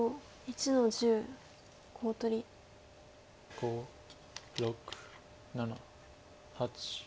５６７８。